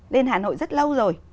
lên hà nội rất lâu rồi